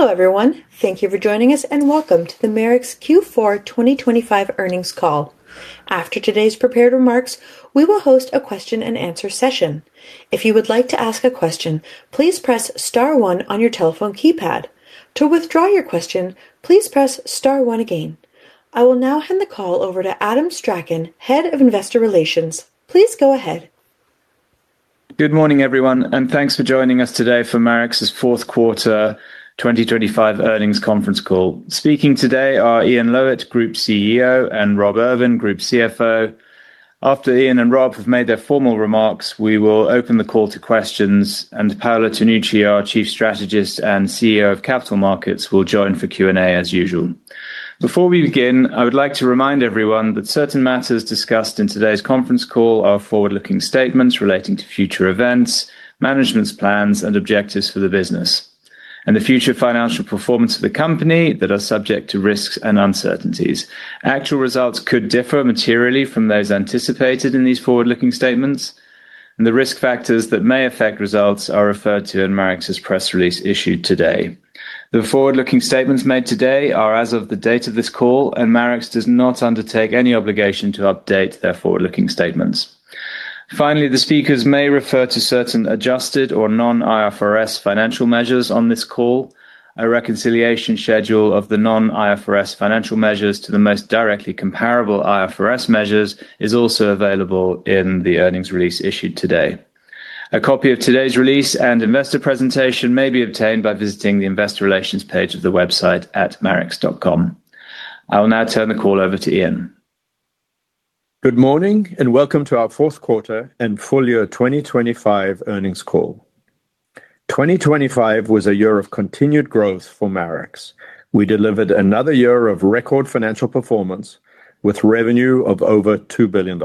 Hello, everyone. Thank you for joining us, welcome to the Marex Q4 2025 earnings call. After today's prepared remarks, we will host a question and answer session. If you would like to ask a question, please press star one on your telephone keypad. To withdraw your question, please press star one again. I will now hand the call over to Adam Strachan, Head of Investor Relations. Please go ahead. Good morning, everyone. Thanks for joining us today for Marex's fourth quarter 2025 earnings conference call. Speaking today are Ian Lowitt, Group CEO, and Rob Irvin, Group CFO. After Ian and Rob have made their formal remarks, we will open the call to questions. Paolo Tonucci, our Chief Strategist and CEO of Capital Markets, will join for Q&A as usual. Before we begin, I would like to remind everyone that certain matters discussed in today's conference call are forward-looking statements relating to future events, management's plans and objectives for the business, and the future financial performance of the company that are subject to risks and uncertainties. Actual results could differ materially from those anticipated in these forward-looking statements. The risk factors that may affect results are referred to in Marex's press release issued today. The forward-looking statements made today are as of the date of this call, and Marex does not undertake any obligation to update their forward-looking statements. Finally, the speakers may refer to certain adjusted or non-IFRS financial measures on this call. A reconciliation schedule of the non-IFRS financial measures to the most directly comparable IFRS measures is also available in the earnings release issued today. A copy of today's release and investor presentation may be obtained by visiting the investor relations page of the website at marex.com. I will now turn the call over to Ian. Good morning, welcome to our fourth quarter and full year 2025 earnings call. 2025 was a year of continued growth for Marex. We delivered another year of record financial performance with revenue of over $2 billion.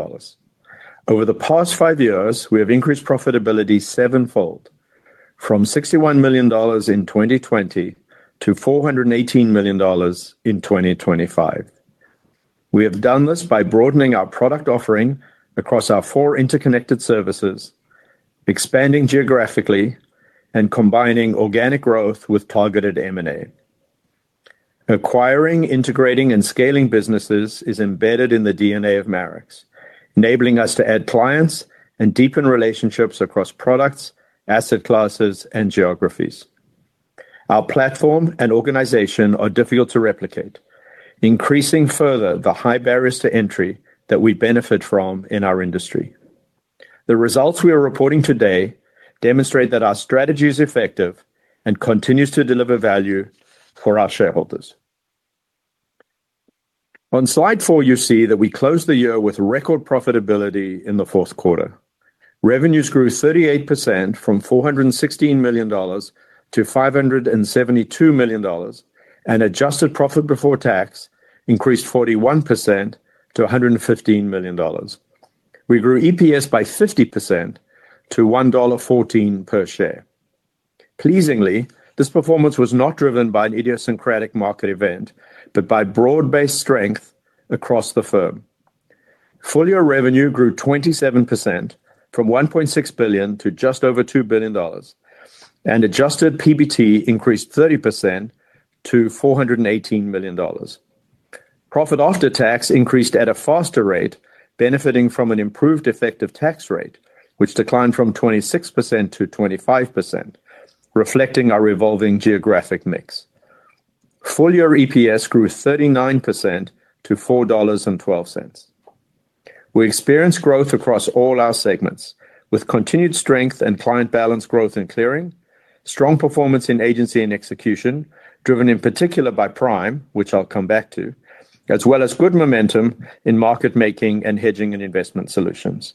Over the past five years, we have increased profitability sevenfold from $61 million in 2020 to $418 million in 2025. We have done this by broadening our product offering across our four interconnected services, expanding geographically, and combining organic growth with targeted M&A. Acquiring, integrating, and scaling businesses is embedded in the DNA of Marex, enabling us to add clients and deepen relationships across products, asset classes, and geographies. Our platform and organization are difficult to replicate, increasing further the high barriers to entry that we benefit from in our industry. The results we are reporting today demonstrate that our strategy is effective and continues to deliver value for our shareholders. On slide four, you see that we closed the year with record profitability in the fourth quarter. Revenues grew 38% from $416 million-$572 million, and adjusted profit before tax increased 41%-$115 million. We grew EPS by 50%-$1.14 per share. Pleasingly, this performance was not driven by an idiosyncratic market event, but by broad-based strength across the firm. Full year revenue grew 27% from $1.6 billion to just over $2 billion, and adjusted PBT increased 30%-$418 million. Profit after tax increased at a faster rate, benefiting from an improved effective tax rate, which declined from 26%-25%, reflecting our evolving geographic mix. Full year EPS grew 39%-$4.12. We experienced growth across all our segments with continued strength and client balance growth in clearing, strong performance in agency and execution, driven in particular by Prime, which I'll come back to, as well as good momentum in market making and hedging and investment solutions.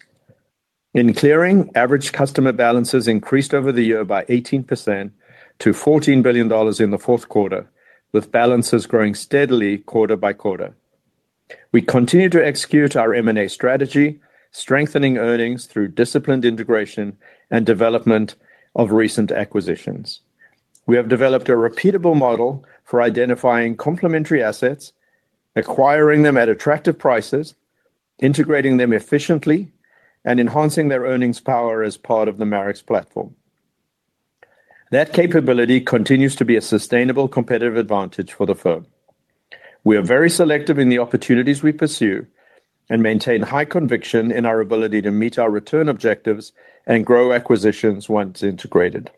In clearing, average customer balances increased over the year by 18%-$14 billion in the fourth quarter, with balances growing steadily quarter by quarter. We continue to execute our M&A strategy, strengthening earnings through disciplined integration and development of recent acquisitions. We have developed a repeatable model for identifying complementary assets, acquiring them at attractive prices, integrating them efficiently, and enhancing their earnings power as part of the Marex platform. That capability continues to be a sustainable competitive advantage for the firm. We are very selective in the opportunities we pursue and maintain high conviction in our ability to meet our return objectives and grow acquisitions once integrated.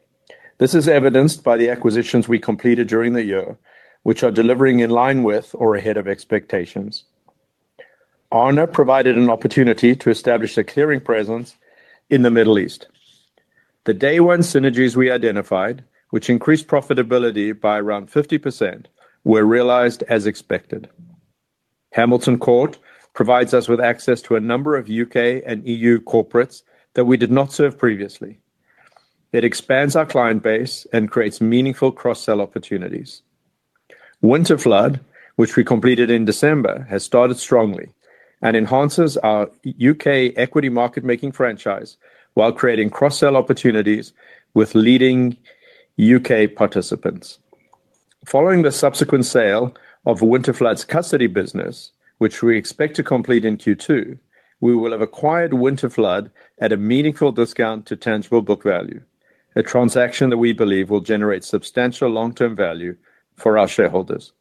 This is evidenced by the acquisitions we completed during the year, which are delivering in line with or ahead of expectations. Aarna provided an opportunity to establish a clearing presence in the Middle East. The day one synergies we identified, which increased profitability by around 50%, were realized as expected. Hamilton Court provides us with access to a number of U.K. and EU corporates that we did not serve previously. It expands our client base and creates meaningful cross-sell opportunities. Winterflood, which we completed in December, has started strongly and enhances our U.K. equity market making franchise while creating cross-sell opportunities with leading U.K. participants. Following the subsequent sale of Winterflood's custody business, which we expect to complete in Q2, we will have acquired Winterflood at a meaningful discount to tangible book value, a transaction that we believe will generate substantial long-term value for our shareholders.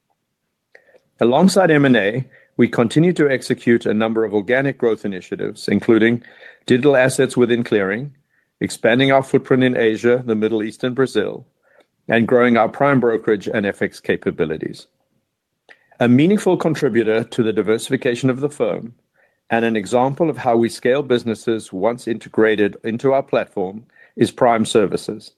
Alongside M&A, we continue to execute a number of organic growth initiatives, including digital assets within clearing, expanding our footprint in Asia, the Middle East, and Brazil, and growing our prime brokerage and FX capabilities. A meaningful contributor to the diversification of the firm, and an example of how we scale businesses once integrated into our platform, is Prime Services.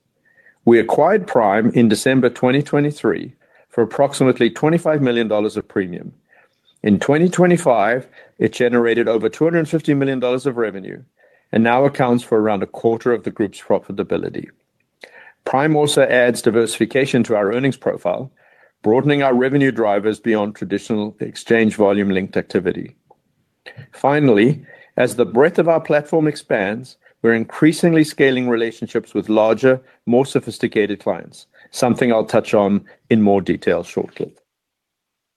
We acquired Prime in December 2023 for approximately $25 million of premium. In 2025, it generated over $250 million of revenue and now accounts for around a quarter of the group's profitability. Prime also adds diversification to our earnings profile, broadening our revenue drivers beyond traditional exchange volume-linked activity. Finally, as the breadth of our platform expands, we're increasingly scaling relationships with larger, more sophisticated clients, something I'll touch on in more detail shortly.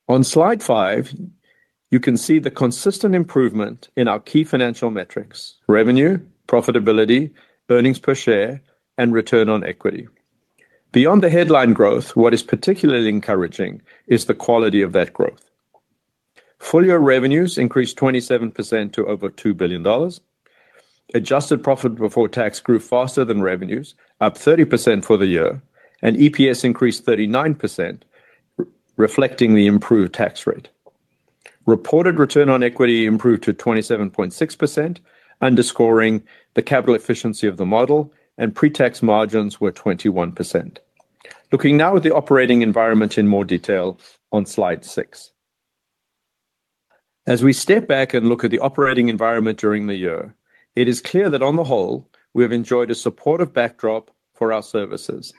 On slide five, you can see the consistent improvement in our key financial metrics: revenue, profitability, earnings per share, and return on equity. Beyond the headline growth, what is particularly encouraging is the quality of that growth. Full-year revenues increased 27% to over $2 billion. Adjusted profit before tax grew faster than revenues, up 30% for the year, and EPS increased 39%, reflecting the improved tax rate. Reported return on equity improved to 27.6%, underscoring the capital efficiency of the model. Pre-tax margins were 21%. Looking now at the operating environment in more detail on slide six. As we step back and look at the operating environment during the year, it is clear that on the whole, we have enjoyed a supportive backdrop for our services.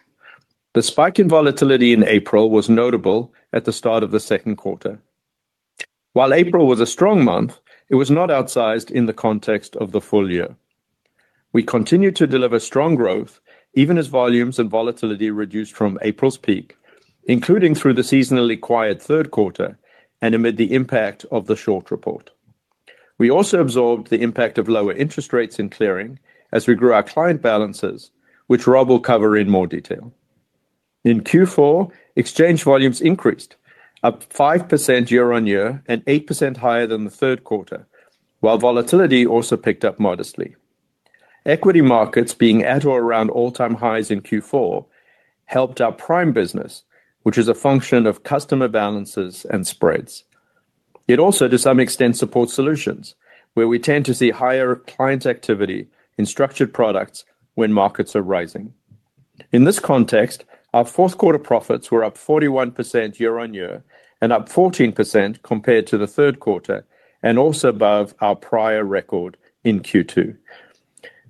The spike in volatility in April was notable at the start of the second quarter. While April was a strong month, it was not outsized in the context of the full year. We continued to deliver strong growth even as volumes and volatility reduced from April's peak, including through the seasonally quiet third quarter and amid the impact of the short report. We also absorbed the impact of lower interest rates in clearing as we grew our client balances, which Rob will cover in more detail. In Q4, exchange volumes increased, up 5% year-on-year and 8% higher than the third quarter, while volatility also picked up modestly. Equity markets being at or around all-time highs in Q4 helped our prime business, which is a function of customer balances and spreads. It also, to some extent, supports solutions where we tend to see higher client activity in structured products when markets are rising. In this context, our fourth quarter profits were up 41% year-on-year and up 14% compared to the third quarter, and also above our prior record in Q2.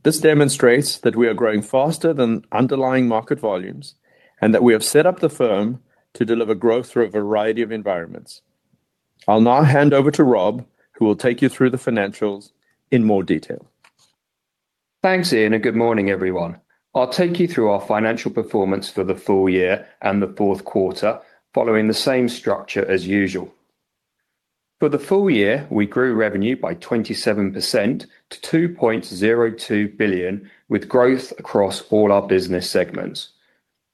This demonstrates that we are growing faster than underlying market volumes, and that we have set up the firm to deliver growth through a variety of environments. I'll now hand over to Rob, who will take you through the financials in more detail. Thanks, Ian. Good morning, everyone. I'll take you through our financial performance for the full year and the fourth quarter, following the same structure as usual. For the full year, we grew revenue by 27% to $2.02 billion, with growth across all our business segments.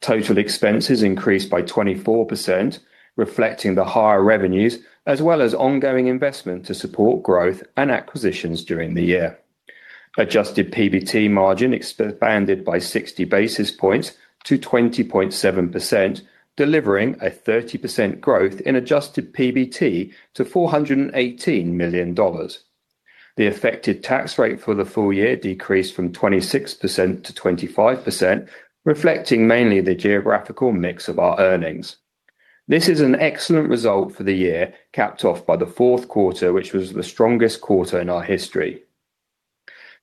Total expenses increased by 24%, reflecting the higher revenues as well as ongoing investment to support growth and acquisitions during the year. Adjusted PBT margin expanded by 60 basis points to 20.7%, delivering a 30% growth in adjusted PBT to $418 million. The affected tax rate for the full year decreased from 26%-25%, reflecting mainly the geographical mix of our earnings. This is an excellent result for the year, capped off by the fourth quarter, which was the strongest quarter in our history.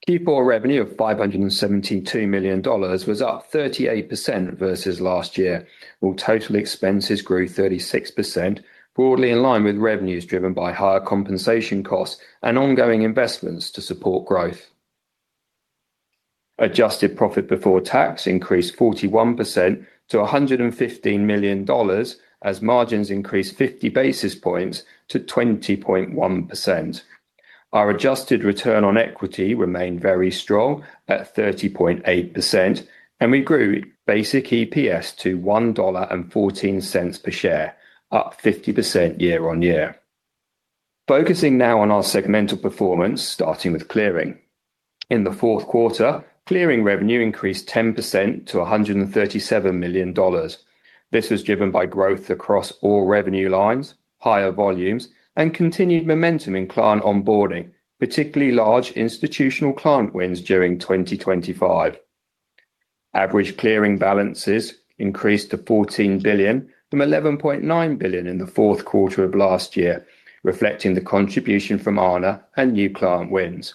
Q4 revenue of $572 million was up 38% versus last year, while total expenses grew 36%, broadly in line with revenues driven by higher compensation costs and ongoing investments to support growth. Adjusted profit before tax increased 41%-$115 million as margins increased 50 basis points to 20.1%. Our adjusted return on equity remained very strong at 30.8%, and we grew basic EPS to $1.14 per share, up 50% year-on-year. Focusing now on our segmental performance, starting with clearing. In the fourth quarter, clearing revenue increased 10%-$137 million. This was driven by growth across all revenue lines, higher volumes, and continued momentum in client onboarding, particularly large institutional client wins during 2025. Average clearing balances increased to $14 billion from $11.9 billion in the fourth quarter of last year, reflecting the contribution from Aarna and new client wins.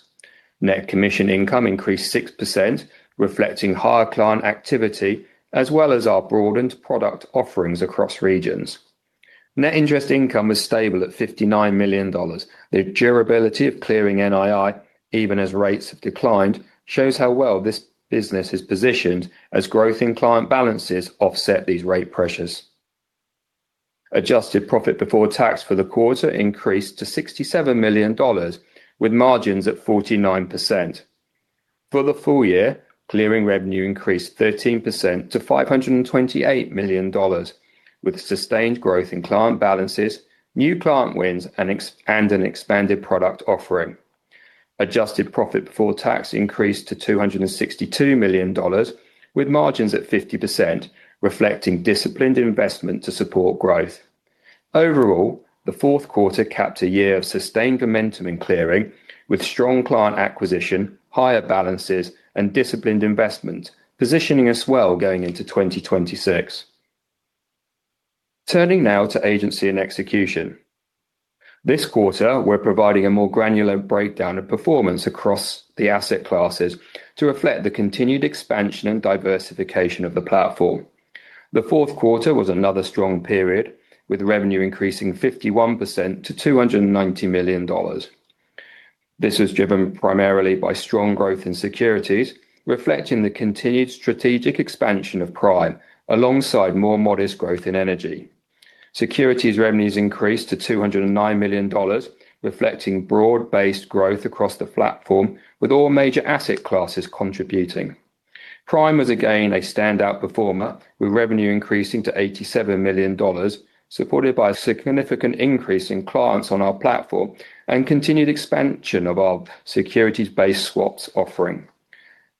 Net commission income increased 6%, reflecting higher client activity as well as our broadened product offerings across regions. Net interest income was stable at $59 million. The durability of clearing NII, even as rates have declined, shows how well this business is positioned as growth in client balances offset these rate pressures. Adjusted profit before tax for the quarter increased to $67 million, with margins at 49%. For the full year, clearing revenue increased 13%-$528 million, with sustained growth in client balances, new client wins, and an expanded product offering. Adjusted profit before tax increased to $262 million, with margins at 50%, reflecting disciplined investment to support growth. Overall, the fourth quarter capped a year of sustained momentum in clearing with strong client acquisition, higher balances, and disciplined investment, positioning us well going into 2026. Turning now to agency and execution. This quarter, we're providing a more granular breakdown of performance across the asset classes to reflect the continued expansion and diversification of the platform. The fourth quarter was another strong period, with revenue increasing 51%-$290 million. This was driven primarily by strong growth in securities, reflecting the continued strategic expansion of Prime alongside more modest growth in energy. Securities revenues increased to $209 million, reflecting broad-based growth across the platform, with all major asset classes contributing. Prime was again a standout performer, with revenue increasing to $87 million, supported by a significant increase in clients on our platform and continued expansion of our securities-based swaps offering.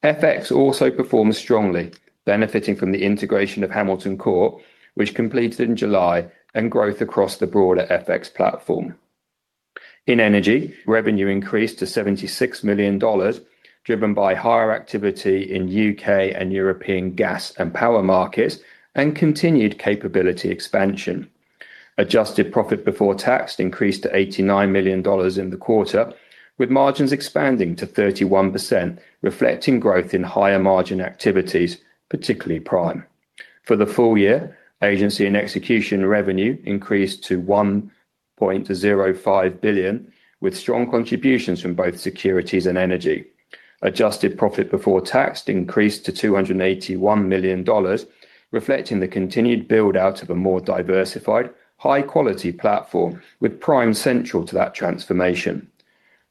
FX also performed strongly, benefiting from the integration of Hamilton Court, which completed in July, and growth across the broader FX platform. In energy, revenue increased to $76 million, driven by higher activity in U.K. and European gas and power markets and continued capability expansion. Adjusted profit before tax increased to $89 million in the quarter, with margins expanding to 31%, reflecting growth in higher margin activities, particularly Prime. For the full year, agency and execution revenue increased to $1.05 billion, with strong contributions from both securities and energy. Adjusted profit before tax increased to $281 million, reflecting the continued build-out of a more diversified, high-quality platform, with Prime central to that transformation.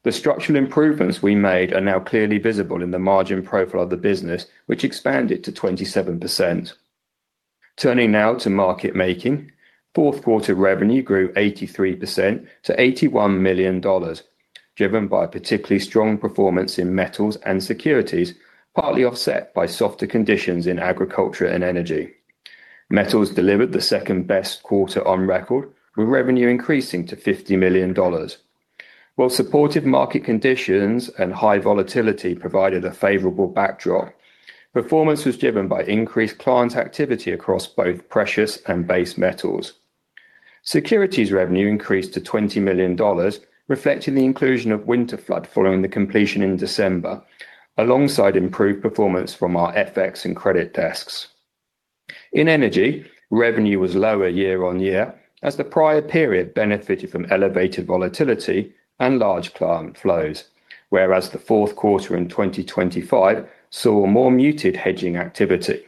The structural improvements we made are now clearly visible in the margin profile of the business, which expanded to 27%. Turning now to market making. Fourth quarter revenue grew 83%-$81 million, driven by a particularly strong performance in metals and securities, partly offset by softer conditions in agriculture and energy. Metals delivered the second-best quarter on record, with revenue increasing to $50 million. While supportive market conditions and high volatility provided a favorable backdrop, performance was driven by increased client activity across both precious and base metals. Securities revenue increased to $20 million, reflecting the inclusion of Winterflood following the completion in December, alongside improved performance from our FX and credit desks. In energy, revenue was lower year-on-year as the prior period benefited from elevated volatility and large client flows, whereas the fourth quarter in 2025 saw more muted hedging activity.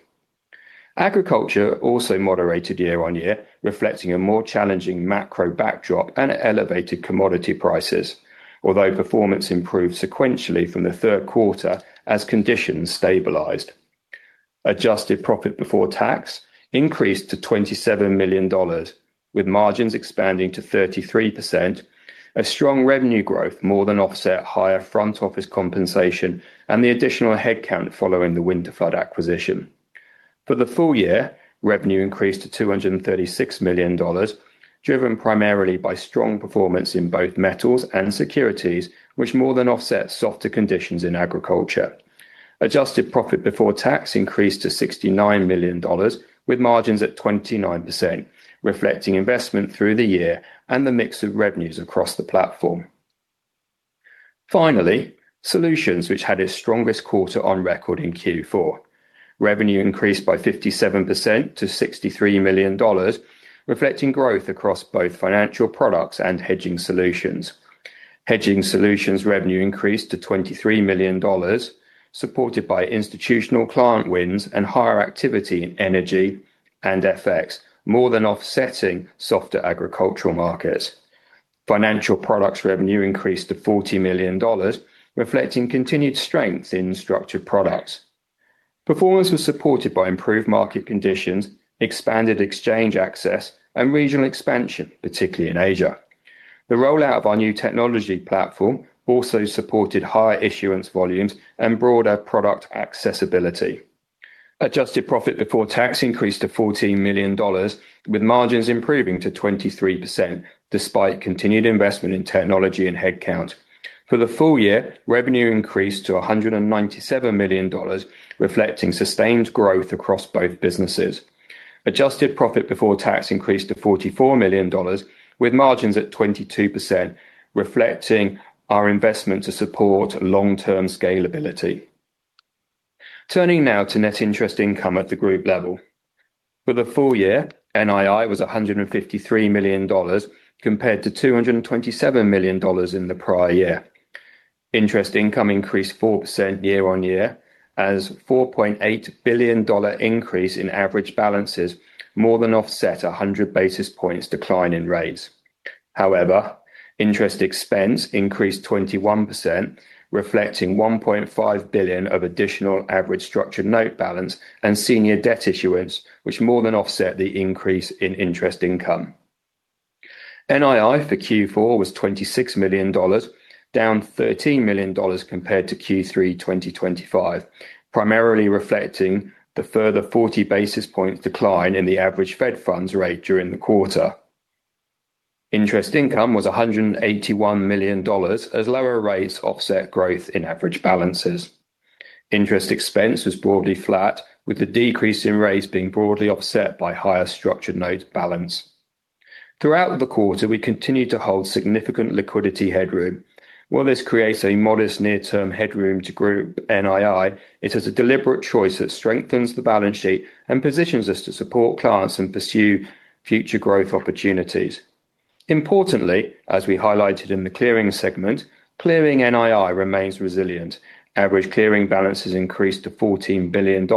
Agriculture also moderated year-on-year, reflecting a more challenging macro backdrop and elevated commodity prices, although performance improved sequentially from the third quarter as conditions stabilized. Adjusted profit before tax increased to $27 million, with margins expanding to 33%. A strong revenue growth more than offset higher front office compensation and the additional headcount following the Winterflood acquisition. For the full year, revenue increased to $236 million, driven primarily by strong performance in both metals and securities, which more than offset softer conditions in agriculture. Adjusted profit before tax increased to $69 million, with margins at 29%, reflecting investment through the year and the mix of revenues across the platform. Finally, solutions which had its strongest quarter on record in Q4. Revenue increased by 57%-$63 million, reflecting growth across both financial products and hedging solutions. Hedging solutions revenue increased to $23 million, supported by institutional client wins and higher activity in energy and FX, more than offsetting softer agricultural markets. Financial products revenue increased to $40 million, reflecting continued strength in structured products. Performance was supported by improved market conditions, expanded exchange access, and regional expansion, particularly in Asia. The rollout of our new technology platform also supported higher issuance volumes and broader product accessibility. Adjusted profit before tax increased to $14 million, with margins improving to 23% despite continued investment in technology and headcount. For the full year, revenue increased to $197 million, reflecting sustained growth across both businesses. Adjusted profit before tax increased to $44 million, with margins at 22%, reflecting our investment to support long-term scalability. Turning now to net interest income at the group level. For the full year, NII was $153 million compared to $227 million in the prior year. Interest income increased 4% year-on-year as $4.8 billion increase in average balance is more than offset 100 basis points decline in rates. Interest expense increased 21%, reflecting $1.5 billion of additional average structured note balance and senior debt issuance, which more than offset the increase in interest income. NII for Q4 was $26 million, down $13 million compared to Q3 2025, primarily reflecting the further 40 basis points decline in the average federal funds rate during the quarter. Interest income was $181 million as lower rates offset growth in average balances. Interest expense was broadly flat, with the decrease in rates being broadly offset by higher structured note balance. Throughout the quarter, we continued to hold significant liquidity headroom. While this creates a modest near-term headroom to group NII, it is a deliberate choice that strengthens the balance sheet and positions us to support clients and pursue future growth opportunities. Importantly, as we highlighted in the clearing segment, clearing NII remains resilient. Average clearing balances increased to $14 billion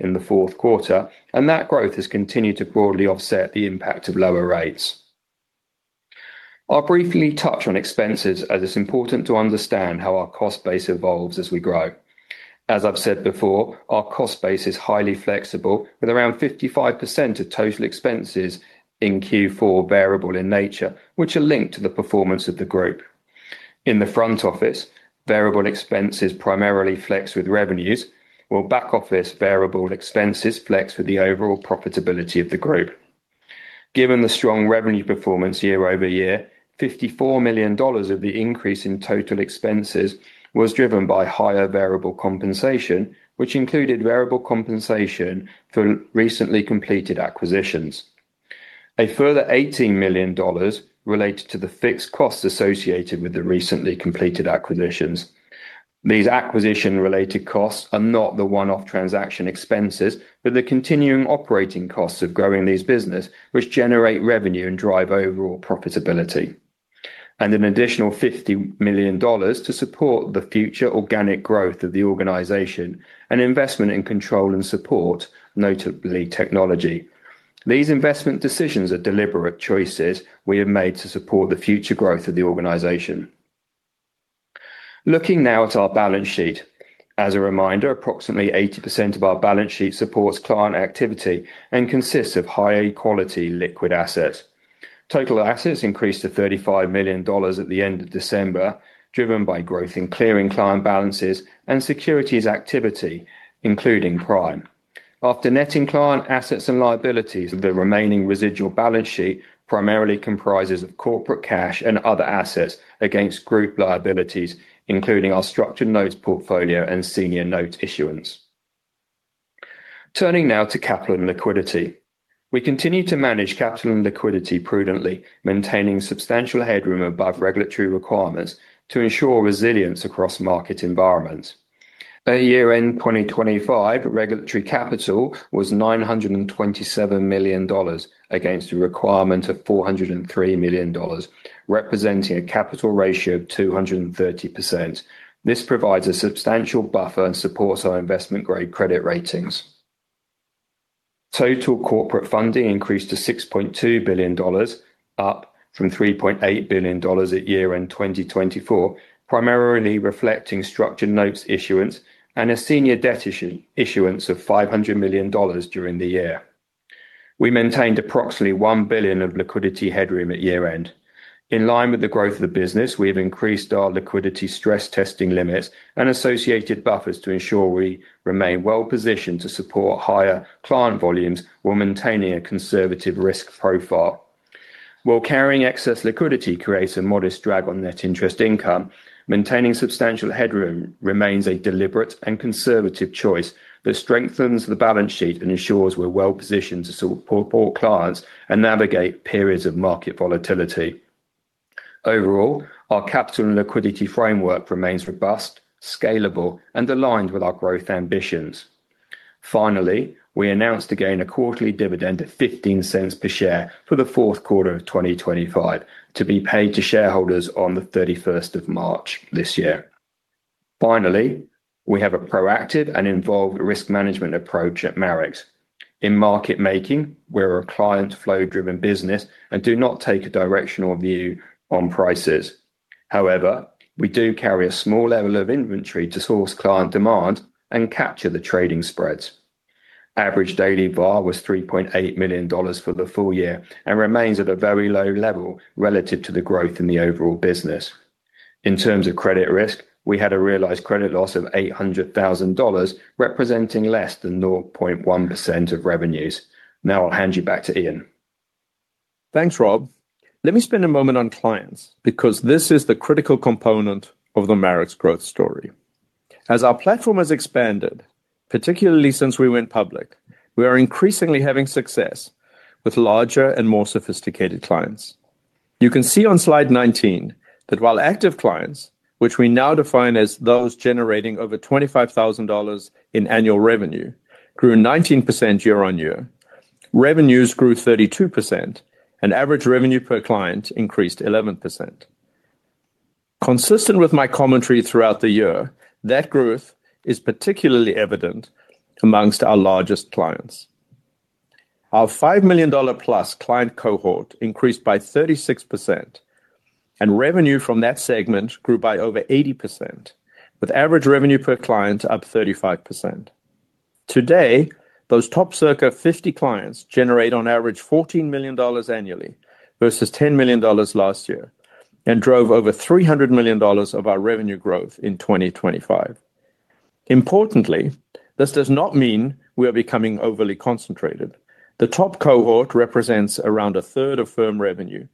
in the fourth quarter, and that growth has continued to broadly offset the impact of lower rates. I'll briefly touch on expenses as it's important to understand how our cost base evolves as we grow. As I've said before, our cost base is highly flexible with around 55% of total expenses in Q4 variable in nature, which are linked to the performance of the group. In the front office, variable expenses primarily flex with revenues, while back office variable expenses flex with the overall profitability of the group. Given the strong revenue performance YoY, $54 million of the increase in total expenses was driven by higher variable compensation, which included variable compensation for recently completed acquisitions. A further $18 million related to the fixed costs associated with the recently completed acquisitions. These acquisition-related costs are not the one-off transaction expenses, but the continuing operating costs of growing these business which generate revenue and drive overall profitability. An additional $50 million to support the future organic growth of the organization and investment in control and support, notably technology. These investment decisions are deliberate choices we have made to support the future growth of the organization. Looking now at our balance sheet. As a reminder, approximately 80% of our balance sheet supports client activity and consists of high-quality liquid assets. Total assets increased to $35 million at the end of December, driven by growth in clearing client balances and securities activity, including prime. After netting client assets and liabilities, the remaining residual balance sheet primarily comprises of corporate cash and other assets against group liabilities, including our structured notes portfolio and senior notes issuance. Turning now to capital and liquidity. We continue to manage capital and liquidity prudently, maintaining substantial headroom above regulatory requirements to ensure resilience across market environments. At year-end 2025, regulatory capital was $927 million against a requirement of $403 million, representing a capital ratio of 230%. This provides a substantial buffer and supports our investment-grade credit ratings. Total corporate funding increased to $6.2 billion, up from $3.8 billion at year-end 2024, primarily reflecting structured notes issuance and a senior debt issuance of $500 million during the year. We maintained approximately $1 billion of liquidity headroom at year-end. In line with the growth of the business, we have increased our liquidity stress testing limits and associated buffers to ensure we remain well-positioned to support higher client volumes while maintaining a conservative risk profile. While carrying excess liquidity creates a modest drag on net interest income, maintaining substantial headroom remains a deliberate and conservative choice that strengthens the balance sheet and ensures we're well-positioned to support poor clients and navigate periods of market volatility. Overall, our capital and liquidity framework remains robust, scalable, and aligned with our growth ambitions. Finally, we announced again a quarterly dividend of $0.15 per share for the fourth quarter of 2025 to be paid to shareholders on the March 31st this year. Finally, we have a proactive and involved risk management approach at Marex. In market making, we're a client flow-driven business and do not take a directional view on prices. However, we do carry a small level of inventory to source client demand and capture the trading spreads. Average daily VaR was $3.8 million for the full year, remains at a very low level relative to the growth in the overall business. In terms of credit risk, we had a realized credit loss of $800,000, representing less than 0.1% of revenues. I'll hand you back to Ian. Thanks, Rob. Let me spend a moment on clients because this is the critical component of the Marex growth story. As our platform has expanded, particularly since we went public, we are increasingly having success with larger and more sophisticated clients. You can see on slide 19 that while active clients, which we now define as those generating over $25,000 in annual revenue, grew 19% year-on-year, revenues grew 32%, and average revenue per client increased 11%. Consistent with my commentary throughout the year, that growth is particularly evident amongst our largest clients. Our $5 million-plus client cohort increased by 36%, and revenue from that segment grew by over 80%, with average revenue per client up 35%. Today, those top circa 50 clients generate on average $14 million annually versus $10 million last year and drove over $300 million of our revenue growth in 2025. Importantly, this does not mean we are becoming overly concentrated. The top cohort represents around a third of firm revenue,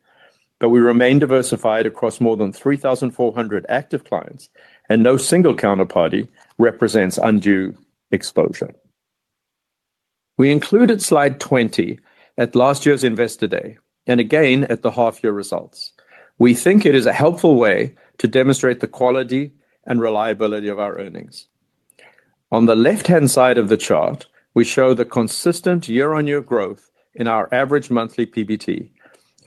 but we remain diversified across more than 3,400 active clients, and no single counterparty represents undue exposure. We included slide 20 at last year's Investor Day and again at the half-year results. We think it is a helpful way to demonstrate the quality and reliability of our earnings. On the left-hand side of the chart, we show the consistent year-on-year growth in our average monthly PBT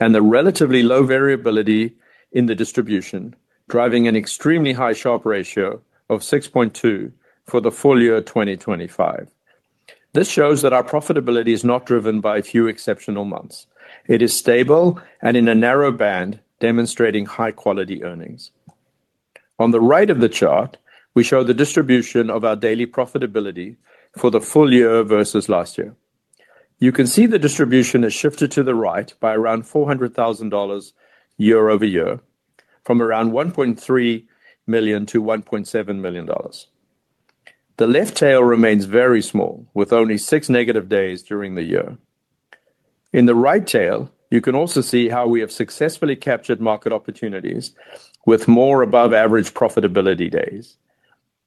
and the relatively low variability in the distribution, driving an extremely high Sharpe Ratio of 6.2 for the full year 2025. This shows that our profitability is not driven by a few exceptional months. It is stable and in a narrow band demonstrating high-quality earnings. On the right of the chart, we show the distribution of our daily profitability for the full year versus last year. You can see the distribution has shifted to the right by around $400,000 YoY from around $1.3 million-$1.7 million. The left tail remains very small, with only six negative days during the year. In the right tail, you can also see how we have successfully captured market opportunities with more above-average profitability days.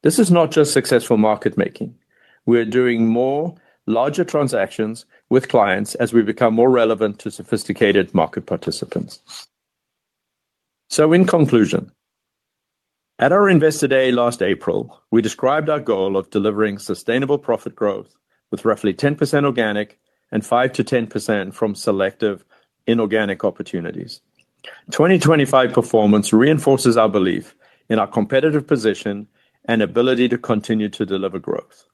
This is not just successful market making. We are doing more larger transactions with clients as we become more relevant to sophisticated market participants. In conclusion, at our Investor Day last April, we described our goal of delivering sustainable profit growth with roughly 10% organic and 5%-10% from selective inorganic opportunities. 2025 performance reinforces our belief in our competitive position and ability to continue to deliver growth.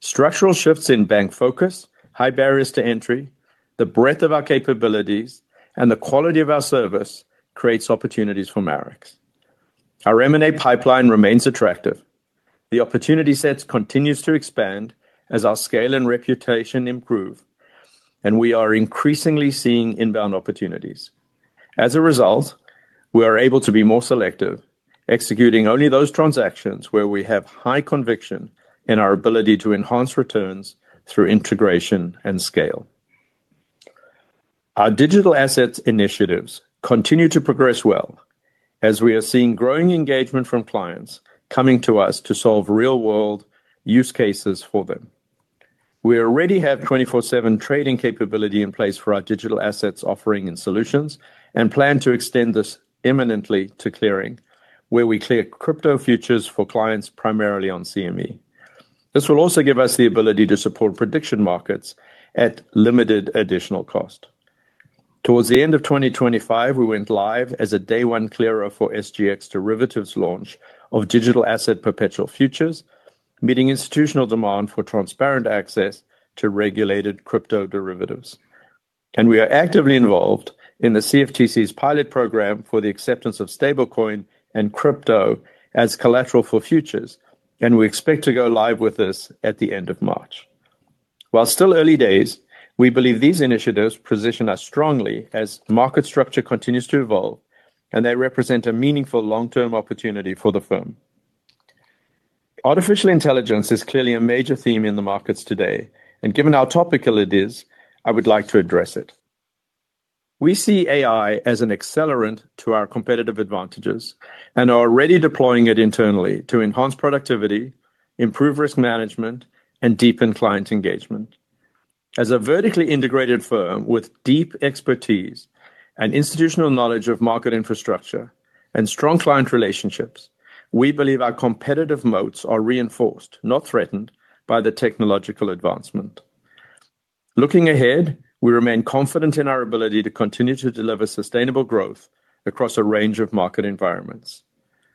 Structural shifts in bank focus, high barriers to entry, the breadth of our capabilities, and the quality of our service creates opportunities for Marex. Our M&A pipeline remains attractive. The opportunity sets continues to expand as our scale and reputation improve. We are increasingly seeing inbound opportunities. As a result, we are able to be more selective, executing only those transactions where we have high conviction in our ability to enhance returns through integration and scale. Our digital assets initiatives continue to progress well as we are seeing growing engagement from clients coming to us to solve real-world use cases for them. We already have 24/7 trading capability in place for our digital assets offering and solutions and plan to extend this imminently to clearing, where we clear crypto futures for clients primarily on CME. This will also give us the ability to support prediction markets at limited additional cost. Towards the end of 2025, we went live as a day one clearer for SGX Derivatives launch of digital asset perpetual futures, meeting institutional demand for transparent access to regulated crypto derivatives. We are actively involved in the CFTC's pilot program for the acceptance of stablecoin and crypto as collateral for futures, and we expect to go live with this at the end of March. While still early days, we believe these initiatives position us strongly as market structure continues to evolve, and they represent a meaningful long-term opportunity for the firm. Artificial intelligence is clearly a major theme in the markets today, and given how topical it is, I would like to address it. We see AI as an accelerant to our competitive advantages and are already deploying it internally to enhance productivity, improve risk management, and deepen client engagement. As a vertically integrated firm with deep expertise and institutional knowledge of market infrastructure and strong client relationships, we believe our competitive moats are reinforced, not threatened by the technological advancement. Looking ahead, we remain confident in our ability to continue to deliver sustainable growth across a range of market environments.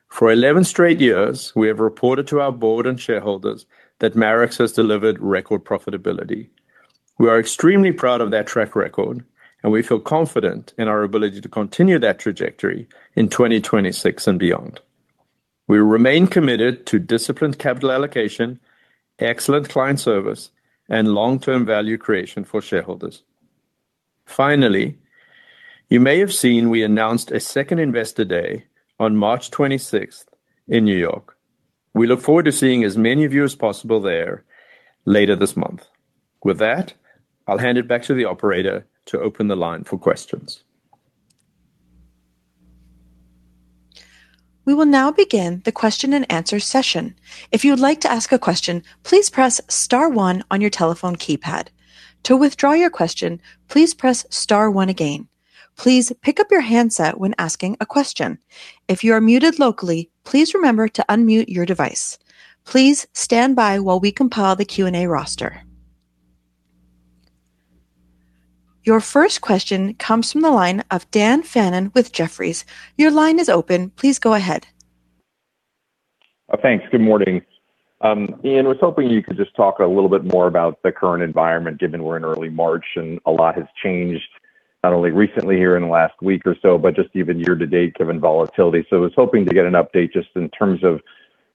For 11 straight years, we have reported to our board and shareholders that Marex has delivered record profitability. We are extremely proud of that track record, and we feel confident in our ability to continue that trajectory in 2026 and beyond. We remain committed to disciplined capital allocation, excellent client service, and long-term value creation for shareholders. Finally, you may have seen we announced a second Investor Day on March 26th in New York. We look forward to seeing as many of you as possible there later this month. With that, I'll hand it back to the operator to open the line for questions. We will now begin the question-and-answer session. If you would like to ask a question, please press star one on your telephone keypad. To withdraw your question, please press star one again. Please pick up your handset when asking a question. If you are muted locally, please remember to unmute your device. Please stand by while we compile the Q&A roster. Your first question comes from the line of Dan Fannon with Jefferies. Your line is open. Please go ahead. Thanks. Good morning. Ian, I was hoping you could just talk a little bit more about the current environment, given we're in early March and a lot has changed, not only recently here in the last week or so, but just even year-to-date, given volatility. I was hoping to get an update just in terms of,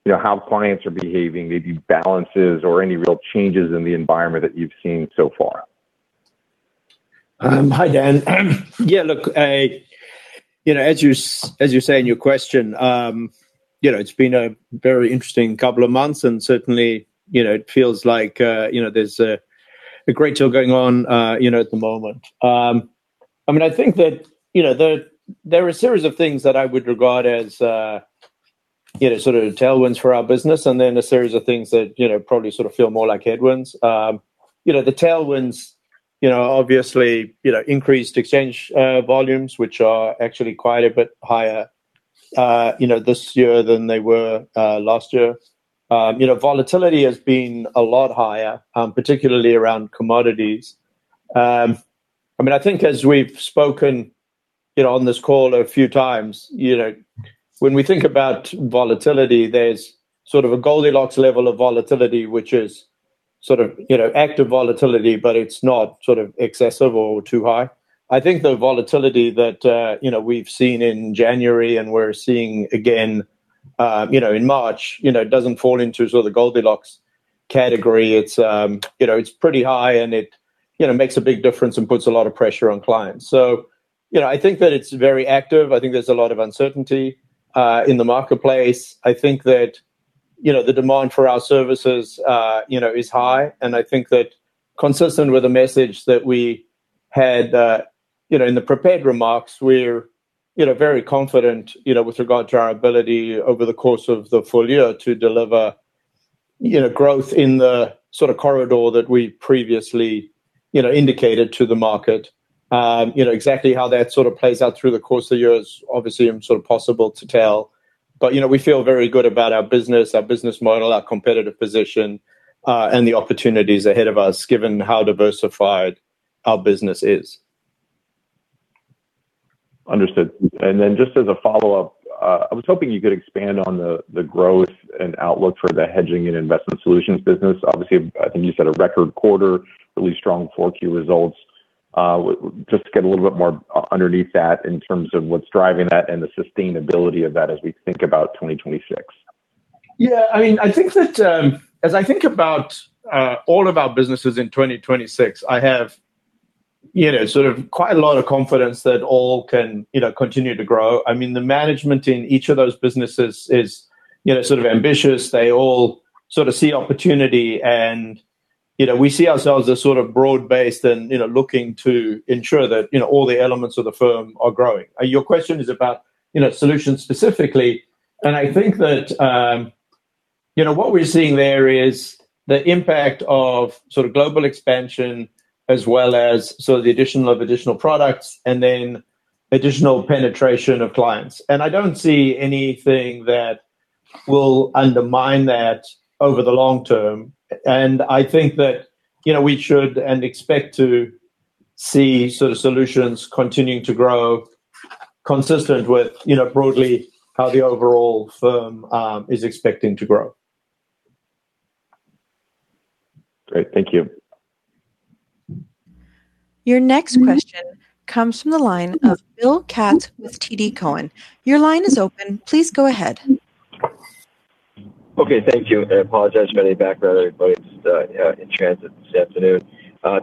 you know, how clients are behaving, maybe balances or any real changes in the environment that you've seen so far. Hi, Dan. You know, as you say in your question, you know, it's been a very interesting couple of months, and certainly, you know, it feels like, you know, there's a great deal going on, you know, at the moment. I mean, I think that, you know, there are a series of things that I would regard as, you know, sort of tailwinds for our business, and then a series of things that, you know, probably sort of feel more like headwinds. You know, the tailwinds, you know, obviously, you know, increased exchange volumes, which are actually quite a bit higher, you know, this year than they were last year. You know, volatility has been a lot higher, particularly around commodities. I mean, I think as we've spoken, you know, on this call a few times, you know, when we think about volatility, there's sort of a Goldilocks level of volatility, which is sort of, you know, active volatility, but it's not sort of excessive or too high. I think the volatility that, you know, we've seen in January and we're seeing again, you know, in March, you know, doesn't fall into sort of the Goldilocks category. It's, you know, it's pretty high, and it, you know, makes a big difference and puts a lot of pressure on clients. I think that it's very active. I think there's a lot of uncertainty in the marketplace. I think that, you know, the demand for our services, you know, is high, and I think that consistent with the message that we had, you know, in the prepared remarks, we're, you know, very confident, you know, with regard to our ability over the course of the full year to deliver, you know, growth in the sort of corridor that we previously, you know, indicated to the market. You know, exactly how that sort of plays out through the course of the year is obviously, sort of possible to tell. You know, we feel very good about our business, our business model, our competitive position, and the opportunities ahead of us, given how diversified our business is. Understood. Just as a follow-up, I was hoping you could expand on the growth and outlook for the hedging and investment solutions business. Obviously, I think you said a record quarter, really strong 4Q results. Just to get a little bit more underneath that in terms of what's driving that and the sustainability of that as we think about 2026. Yeah. I mean, I think that, as I think about all of our businesses in 2026, I have, you know, sort of quite a lot of confidence that all can, you know, continue to grow. I mean, the management in each of those businesses is, you know, sort of ambitious. They all sort of see opportunity, you know, we see ourselves as sort of broad-based and, you know, looking to ensure that, you know, all the elements of the firm are growing. Your question is about, you know, solutions specifically. I think that, you know, what we're seeing there is the impact of sort of global expansion as well as sort of the addition of additional products and then additional penetration of clients. I don't see anything that will undermine that over the long term. I think that, you know, we should and expect to see sort of solutions continuing to grow consistent with, you know, broadly how the overall firm is expecting to grow. Great. Thank you. Your next question comes from the line of Bill Katz with TD Cowen. Your line is open. Please go ahead. Okay. Thank you. I apologize for any background noise. In transit this afternoon.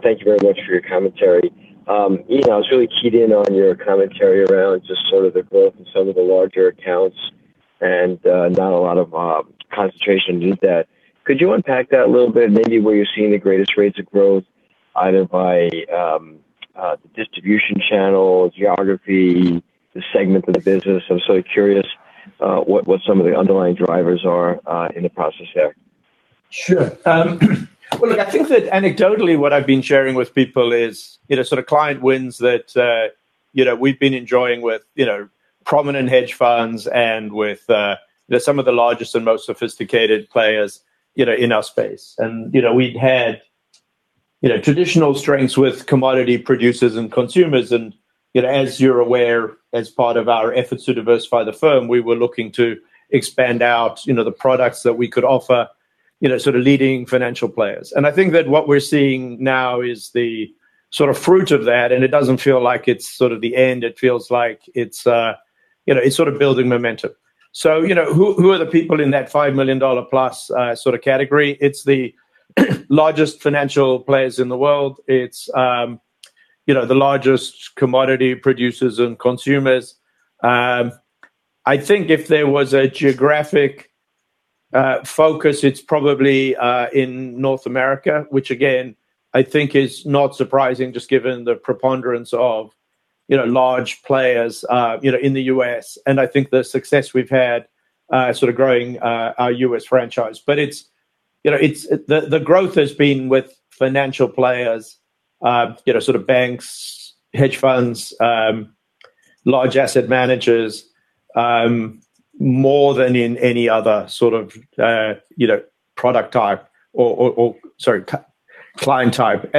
Thank you very much for your commentary. Ian, I was really keyed in on your commentary around just sort of the growth in some of the larger accounts and not a lot of concentration beneath that. Could you unpack that a little bit, maybe where you're seeing the greatest rates of growth, either by the distribution channel, geography, the segment of the business? I'm sort of curious what some of the underlying drivers are in the process there. Sure. Well, look, I think that anecdotally, what I've been sharing with people is, you know, sort of client wins that, you know, we've been enjoying with, you know, prominent hedge funds and with, some of the largest and most sophisticated players, you know, in our space. We've had, you know, traditional strengths with commodity producers and consumers. As you're aware, as part of our efforts to diversify the firm, we were looking to expand out, you know, the products that we could offer, you know, sort of leading financial players. I think that what we're seeing now is the sort of fruit of that, and it doesn't feel like it's sort of the end. It feels like it's, you know, it's sort of building momentum. So you know, who are the people in that $5 million plus sort of category? It's the largest financial players in the world. It's, you know, the largest commodity producers and consumers. I think if there was a geographic focus, it's probably in North America, which again I think is not surprising just given the preponderance of, you know, large players, you know, in the U.S., and I think the success we've had sort of growing our U.S. franchise. It's, you know, the growth has been with financial players, you know, sort of banks, hedge funds, large asset managers, more than in any other sort of, you know, product type or client type.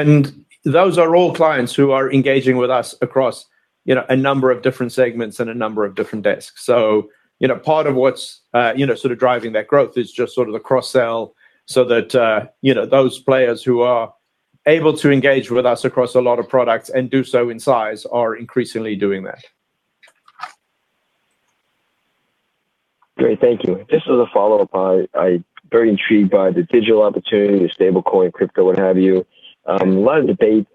Those are all clients who are engaging with us across, you know, a number of different segments and a number of different desks. You know, part of what's, you know, sort of driving that growth is just sort of the cross-sell so that, you know, those players who are able to engage with us across a lot of products and do so in size are increasingly doing that. Great. Thank you. Just as a follow-up, I very intrigued by the digital opportunity, the stablecoin crypto, what have you. A lot of debate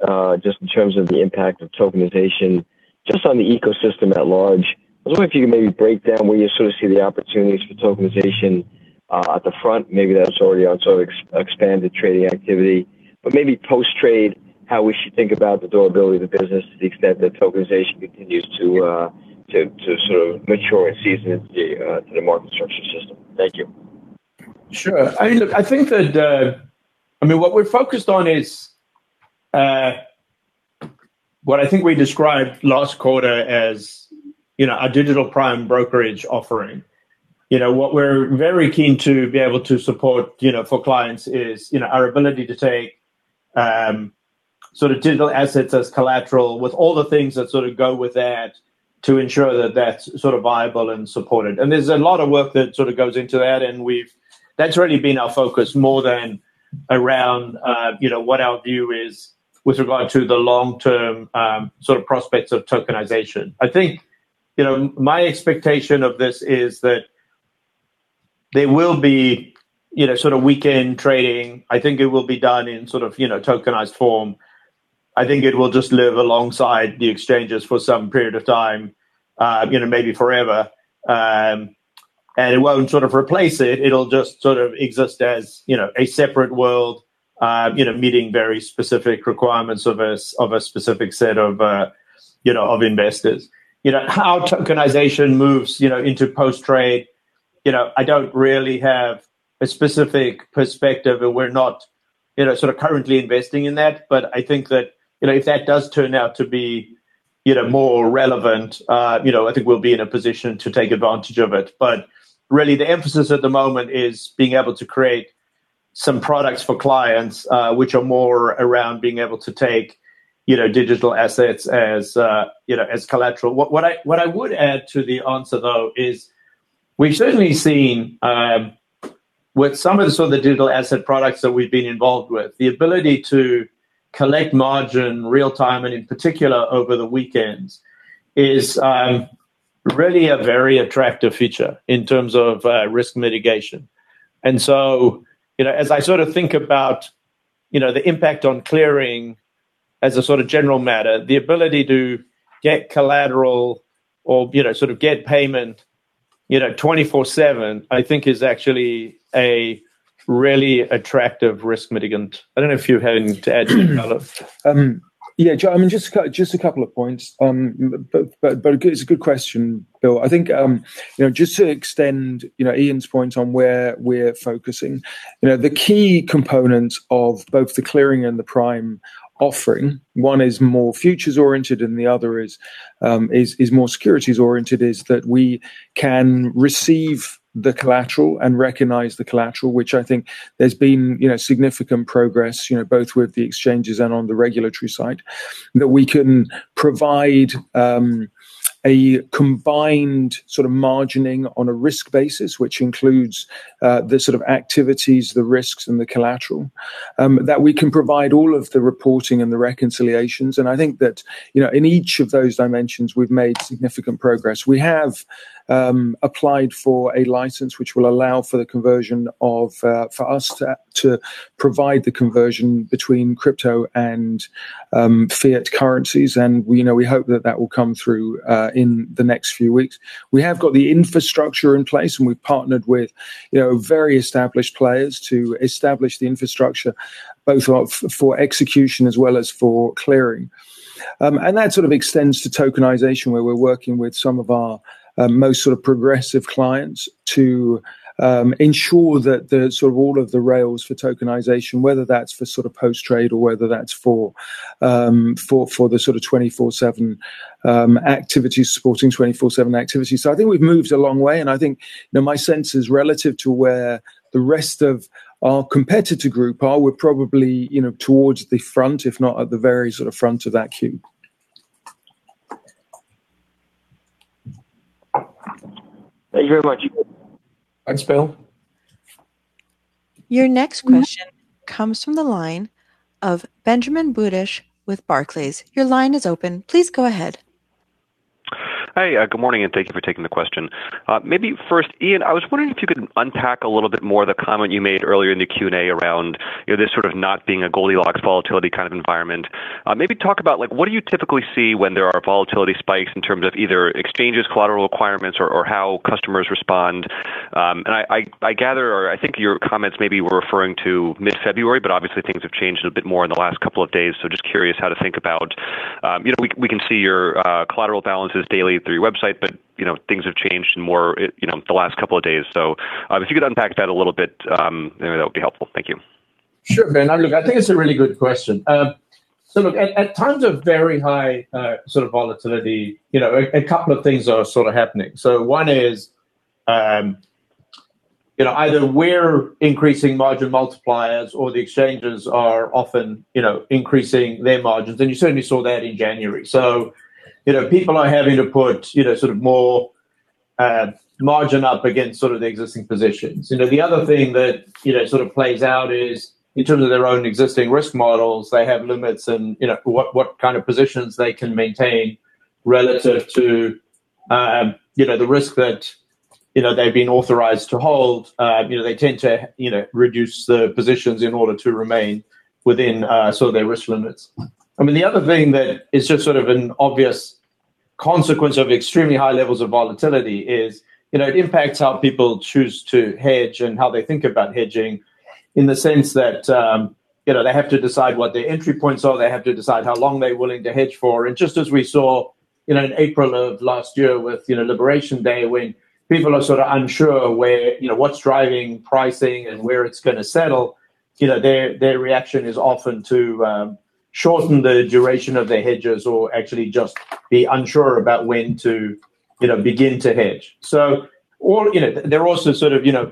just in terms of the impact of tokenization just on the ecosystem at large. I was wondering if you could maybe break down where you sort of see the opportunities for tokenization at the front. Maybe that's already out, sort of expanded trading activity, but maybe post-trade, how we should think about the durability of the business to the extent that tokenization continues to sort of mature and season into the market structure system. Thank you. Sure. I mean, look, I think that, I mean, what we're focused on is what I think we described last quarter as, you know, a digital prime brokerage offering. You know, what we're very keen to be able to support, you know, for clients is, you know, our ability to take, sort of digital assets as collateral with all the things that sort of go with that to ensure that that's sort of viable and supported. There's a lot of work that sort of goes into that, and that's really been our focus more than around, you know, what our view is with regard to the long-term, sort of prospects of tokenization. I think, you know, my expectation of this is that there will be, you know, sort of weekend trading. I think it will be done in sort of, you know, tokenized form. I think it will just live alongside the exchanges for some period of time, you know, maybe forever. It won't sort of replace it. It'll just sort of exist as, you know, a separate world, you know, meeting very specific requirements of a, of a specific set of, you know, of investors. You know, how tokenization moves, you know, into post-trade, you know, I don't really have a specific perspective, and we're not, you know, sort of currently investing in that. I think that, you know, if that does turn out to be, you know, more relevant, you know, I think we'll be in a position to take advantage of it. Really the emphasis at the moment is being able to create some products for clients, which are more around being able to take, you know, digital assets as, you know, as collateral. What I would add to the answer though is we've certainly seen with some of the sort of the digital asset products that we've been involved with, the ability to collect margin real time, and in particular over the weekends, is really a very attractive feature in terms of risk mitigation. You know, as I sort of think about, you know, the impact on clearing as a sort of general matter, the ability to get collateral or, you know, sort of get payment, you know, 24/7, I think is actually a really attractive risk mitigant. I don't know if you have anything to add to that, Paolo. Yeah. I mean, just a couple of points. It's a good question, Bill. I think, you know, just to extend, you know, Ian's point on where we're focusing. You know, the key component of both the clearing and the prime offering, one is more futures oriented, and the other is more securities oriented, is that we can receive the collateral and recognize the collateral, which I think there's been, you know, significant progress, you know, both with the exchanges and on the regulatory side. That we can provide a combined sort of margining on a risk basis, which includes the sort of activities, the risks, and the collateral. That we can provide all of the reporting and the reconciliations. I think that, you know, in each of those dimensions, we've made significant progress. We have applied for a license which will allow for the conversion of for us to provide the conversion between crypto and fiat currencies. You know, we hope that that will come through in the next few weeks. We have got the infrastructure in place, and we've partnered with, you know, very established players to establish the infrastructure both for execution as well as for clearing. That sort of extends to tokenization, where we're working with some of our most sort of progressive clients to ensure that the sort of all of the rails for tokenization, whether that's for sort of post-trade or whether that's for the sort of 24/7 activities, supporting 24/7 activities. I think we've moved a long way, and I think, you know, my sense is relative to where the rest of our competitor group are. We're probably, you know, towards the front if not at the very sort of front of that queue. Thank you very much. Thanks, Bill. Your next question comes from the line of Benjamin Budish with Barclays. Your line is open. Please go ahead. Hi. Good morning, and thank you for taking the question. Maybe first, Ian, I was wondering if you could unpack a little bit more the comment you made earlier in the Q&A around, you know, this sort of not being a Goldilocks volatility kind of environment. Maybe talk about, like, what do you typically see when there are volatility spikes in terms of either exchanges collateral requirements or how customers respond. I gather or I think your comments maybe were referring to mid-February, but obviously things have changed a bit more in the last couple of days. Just curious how to think about, you know, we can see your collateral balances daily through your website, but, you know, things have changed more, you know, the last couple of days. If you could unpack that a little bit, that would be helpful. Thank you. Sure, Ben. Look, I think it's a really good question. Look at times of very high volatility, you know, a couple of things are sort of happening. One is, you know, either we're increasing margin multipliers or the exchanges are often, you know, increasing their margins, and you certainly saw that in January. You know, people are having to put, you know, sort of more margin up against sort of the existing positions. You know, the other thing that, you know, sort of plays out is in terms of their own existing risk models, they have limits and, you know, what kind of positions they can maintain relative to, you know, the risk that, you know, they've been authorized to hold. You know, they tend to, you know, reduce the positions in order to remain within, sort of their risk limits. I mean, the other thing that is just sort of an obvious consequence of extremely high levels of volatility is, you know, it impacts how people choose to hedge and how they think about hedging in the sense that, you know, they have to decide what their entry points are. They have to decide how long they're willing to hedge for. Just as we saw, you know, in April of last year with, you know, Liberation Day, when people are sort of unsure where, you know, what's driving pricing and where it's gonna settle, you know, their reaction is often to, shorten the duration of their hedges or actually just be unsure about when to, you know, begin to hedge. All, you know, they're also sort of, you know,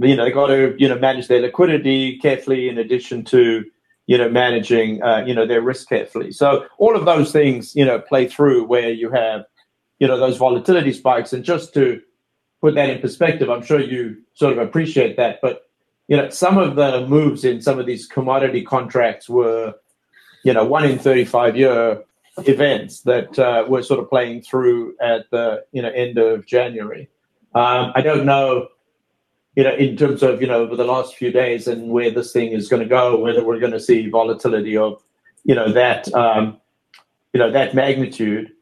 got to, you know, manage their liquidity carefully in addition to, you know, managing, you know, their risk carefully. All of those things, you know, play through where you have, you know, those volatility spikes. Just to put that in perspective, I'm sure you sort of appreciate that, but, you know, some of the moves in some of these commodity contracts were, you know, one in 35 year events that were sort of playing through at the, you know, end of January. I don't know, you know, in terms of, you know, over the last few days and where this thing is gonna go, whether we're gonna see volatility of, you know, that, you know, that magnitude.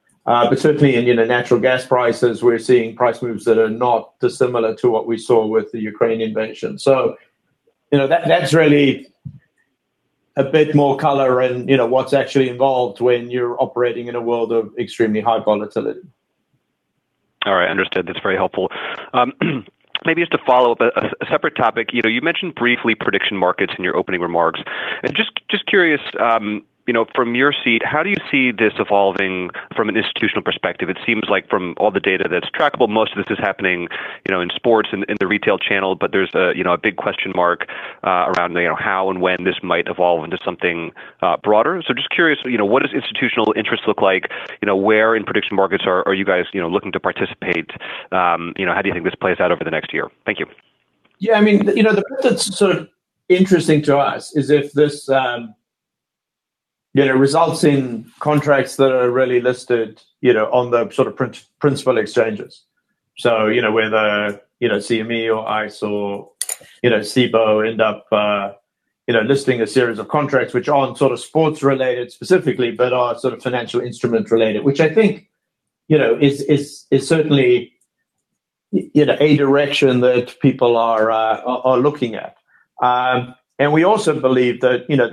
Certainly in, you know, natural gas prices, we're seeing price moves that are not dissimilar to what we saw with the Ukrainian invasion. You know, that's really a bit more color in, you know, what's actually involved when you're operating in a world of extremely high volatility. All right. Understood. That's very helpful. Maybe just to follow up a separate topic. You know, you mentioned briefly prediction markets in your opening remarks. Just curious, you know, from your seat, how do you see this evolving from an institutional perspective? It seems like from all the data that's trackable, most of this is happening, you know, in sports and in the retail channel, but there's a, you know, a big question mark around, you know, how and when this might evolve into something broader. Just curious, you know, what does institutional interest look like? You know, where in prediction markets are you guys, you know, looking to participate? You know, how do you think this plays out over the next year? Thank you. I mean, you know, the part that's sort of interesting to us is if this, you know, results in contracts that are really listed, you know, on the sort of principal exchanges. You know, whether, you know, CME or ICE or, you know, CBOE end up, you know, listing a series of contracts which aren't sort of sports-related specifically, but are sort of financial instrument related, which I think, you know, is, is certainly, you know, a direction that people are, are looking at. We also believe that, you know,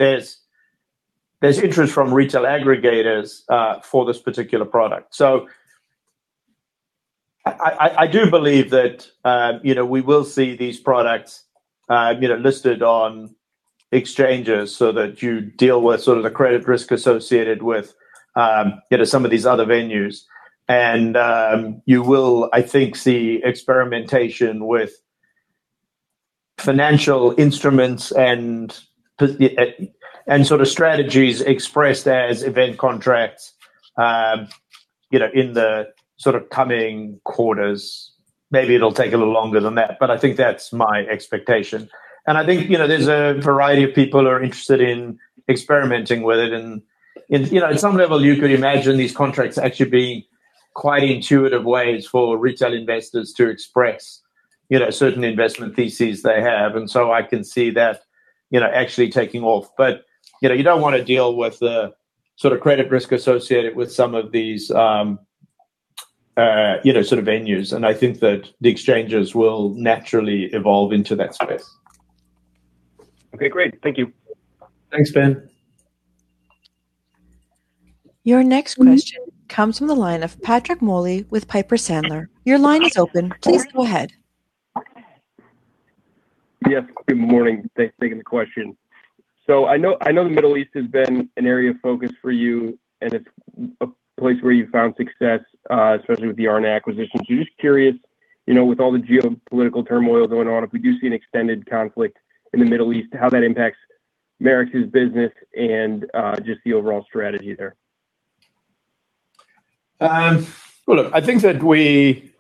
there's interest from retail aggregators for this particular product. I do believe that, you know, we will see these products, you know, listed on exchanges so that you deal with sort of the credit risk associated with, you know, some of these other venues. You will, I think, see experimentation with financial instruments and sort of strategies expressed as event contracts, you know, in the sort of coming quarters. Maybe it'll take a little longer than that, but I think that's my expectation. I think, you know, there's a variety of people are interested in experimenting with it. At some level, you could imagine these contracts actually being quite intuitive ways for retail investors to express, you know, certain investment theses they have. I can see that, you know, actually taking off. You know, you don't wanna deal with the sort of credit risk associated with some of these, you know, sort of venues. I think that the exchanges will naturally evolve into that space. Okay, great. Thank you. Thanks, Ben. Your next question comes from the line of Patrick Moley with Piper Sandler. Your line is open. Please go ahead. Yes, good morning. Thanks for taking the question. I know, I know the Middle East has been an area of focus for you, and it's a place where you found success, especially with the Aarna acquisition. Just curious, you know, with all the geopolitical turmoil going on, if we do see an extended conflict in the Middle East, how that impacts Marex's business and just the overall strategy there. Well, look, I think that we.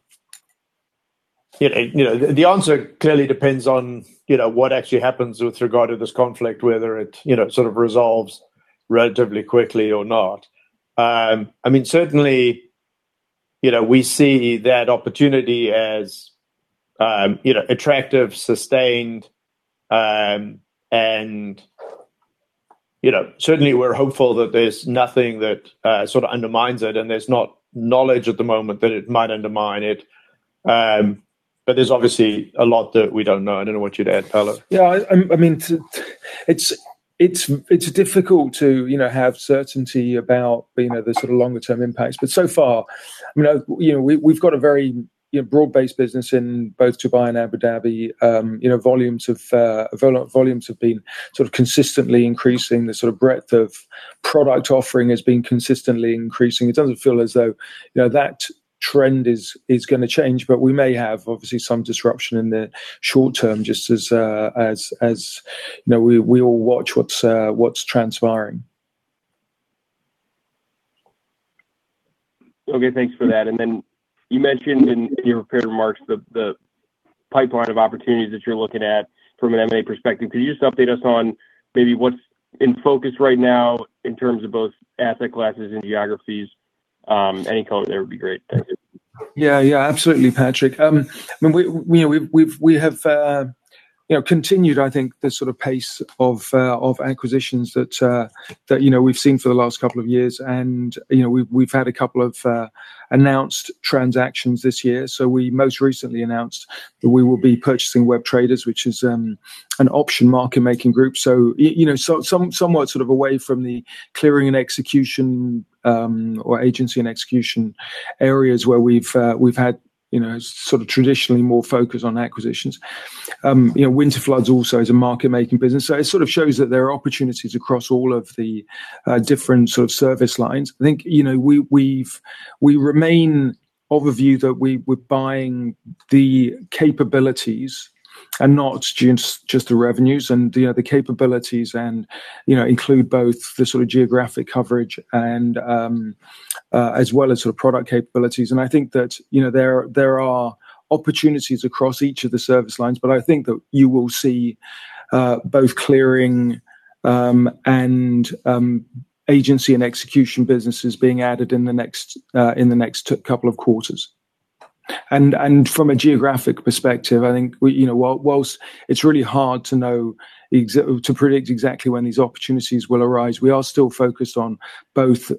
You know, the answer clearly depends on, you know, what actually happens with regard to this conflict, whether it, you know, sort of resolves relatively quickly or not. I mean, certainly, you know, we see that opportunity as, you know, attractive, sustained, and, you know, certainly we're hopeful that there's nothing that sort of undermines it, and there's not knowledge at the moment that it might undermine it. There's obviously a lot that we don't know. I don't know what you'd add, Paolo. Yeah, I mean. It's difficult to, you know, have certainty about, you know, the sort of longer term impacts. So far, you know, we've got a very, you know, broad-based business in both Dubai and Abu Dhabi. you know, volumes have been sort of consistently increasing. The sort of breadth of product offering has been consistently increasing. It doesn't feel as though, you know, that trend is gonna change, but we may have obviously some disruption in the short term, just as, you know, we all watch what's transpiring. Okay, thanks for that. Then you mentioned in your prepared remarks the pipeline of opportunities that you're looking at from an M&A perspective. Could you just update us on maybe what's in focus right now in terms of both asset classes and geographies? Any color there would be great. Thank you. Yeah, absolutely, Patrick. I mean, we, you know, We have, you know, continued, I think, the sort of pace of acquisitions that, you know, we've seen for the last couple of years. You know, we've had a couple of announced transactions this year. We most recently announced that we will be purchasing Webb Traders, which is an option market making group. You know, somewhat sort of away from the clearing and execution, or agency and execution areas where we've had, you know, sort of traditionally more focused on acquisitions. You know, Winterflood also is a market making business. It sort of shows that there are opportunities across all of the different sort of service lines. I think, you know, we've. We remain of a view that we were buying the capabilities and not just the revenues. You know, the capabilities and, you know, include both the sort of geographic coverage and as well as the product capabilities. I think that, you know, there are opportunities across each of the service lines, but I think that you will see both clearing and agency and execution businesses being added in the next couple of quarters. From a geographic perspective, I think we... You know, whilst it's really hard to predict exactly when these opportunities will arise, we are still focused on both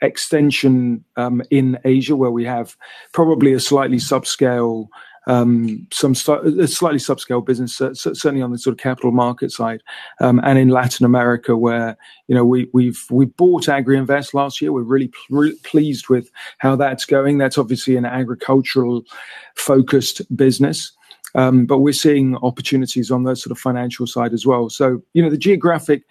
extension in Asia, where we have probably a slightly subscale business certainly on the sort of capital market side. In Latin America where, you know, we bought Agrinvest last year. We're really pleased with how that's going. That's obviously an agricultural-focused business. We're seeing opportunities on the sort of financial side as well. You know, the geographic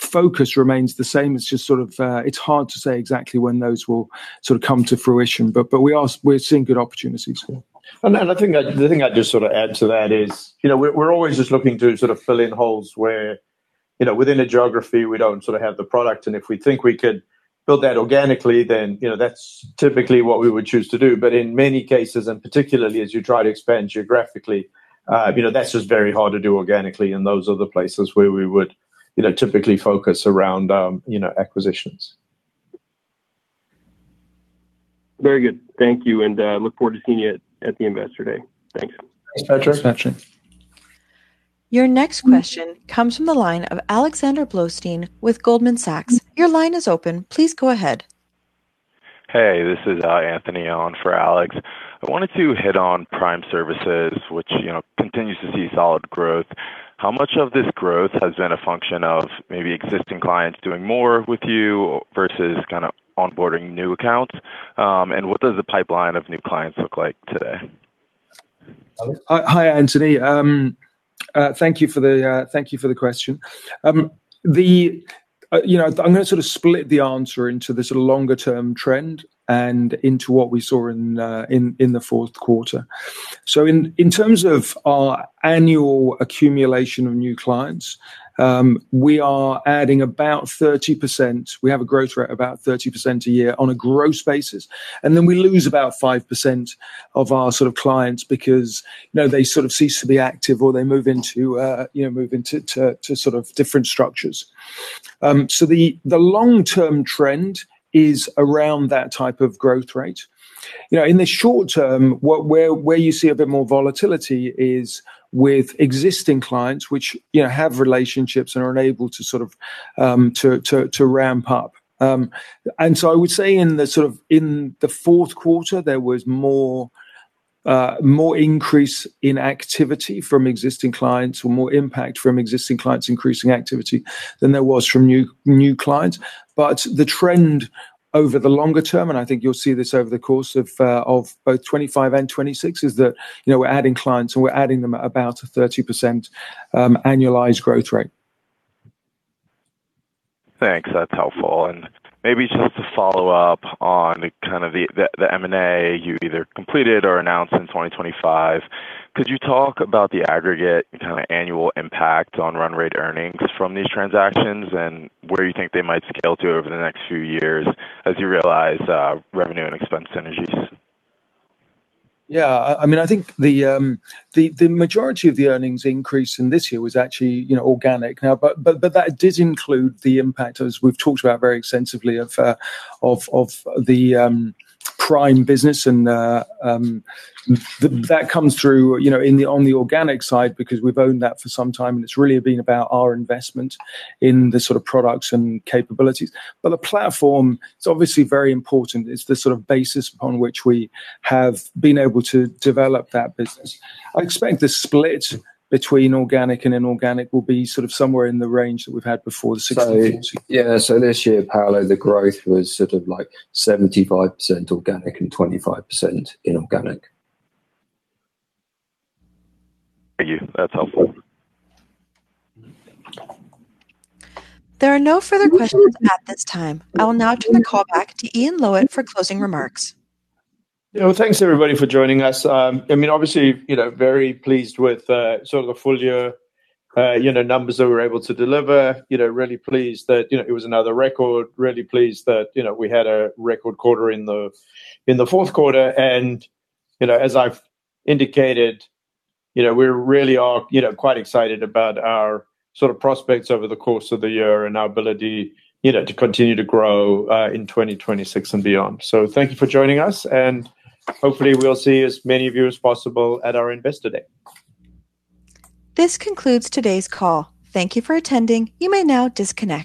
focus remains the same as just sort of. It's hard to say exactly when those will sort of come to fruition, but we are. We're seeing good opportunities for them. I think I'd just sort of add to that is, you know, we're always just looking to sort of fill in holes where, you know, within a geography, we don't sort of have the product. If we think we could build that organically, then, you know, that's typically what we would choose to do. In many cases, and particularly as you try to expand geographically, you know, that's just very hard to do organically in those other places where we would, you know, typically focus around, you know, acquisitions. Very good. Thank you, and look forward to seeing you at the Investor Day. Thanks. Thanks, Patrick. Thanks, Patrick. Your next question comes from the line of Alexander Blostein with Goldman Sachs. Your line is open. Please go ahead. Hey, this is Anthony on for Alex. I wanted to hit on Prime Services, which, you know, continues to see solid growth. How much of this growth has been a function of maybe existing clients doing more with you versus kind of onboarding new accounts? What does the pipeline of new clients look like today? Hi, Anthony. Thank you for the question. You know, I'm gonna sort of split the answer into the sort of longer term trend and into what we saw in the fourth quarter. In terms of our annual accumulation of new clients, we are adding about 30%. We have a growth rate about 30% a year on a gross basis, and then we lose about 5% of our sort of clients because, you know, they sort of cease to be active or they move into, you know, move into, to sort of different structures. The long-term trend is around that type of growth rate. You know, in the short term, what... where you see a bit more volatility is with existing clients, which, you know, have relationships and are unable to sort of to ramp up. I would say in the fourth quarter, there was more increase in activity from existing clients or more impact from existing clients increasing activity than there was from new clients. The trend over the longer term, and I think you'll see this over the course of both 2025 and 2026, is that, you know, we're adding clients, and we're adding them at about a 30% annualized growth rate. Thanks. That's helpful. Maybe just to follow up on kind of the M&A you either completed or announced in 2025, could you talk about the aggregate kind of annual impact on run rate earnings from these transactions and where you think they might scale to over the next few years as you realize revenue and expense synergies? Yeah. I mean, I think the majority of the earnings increase in this year was actually, you know, organic. That did include the impact, as we've talked about very extensively, of the prime business and that comes through, you know, on the organic side because we've owned that for some time, and it's really been about our investment in the sort of products and capabilities. The platform, it's obviously very important. It's the sort of basis upon which we have been able to develop that business. I expect the split between organic and inorganic will be sort of somewhere in the range that we've had before, the 60/40. Yeah. This year, Paolo, the growth was sort of like 75% organic and 25% inorganic. Thank you. That's helpful. There are no further questions at this time. I will now turn the call back to Ian Lowitt for closing remarks. Yeah. Well, thanks, everybody, for joining us. I mean, obviously, you know, very pleased with sort of the full year, you know, numbers that we're able to deliver. You know, really pleased that, you know, it was another record. Really pleased that, you know, we had a record quarter in the fourth quarter. As, you know, I've indicated, you know, we really are, you know, quite excited about our sort of prospects over the course of the year and our ability, you know, to continue to grow in 2026 and beyond. Thank you for joining us, and hopefully we'll see as many of you as possible at our Investor Day. This concludes today's call. Thank you for attending. You may now disconnect.